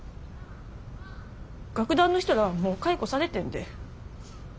楽団の人らはもう解雇されてんで。